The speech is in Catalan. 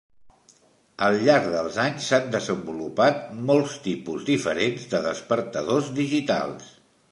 Al llarg dels anys s'han desenvolupat molts tipus diferents de despertadors digitals.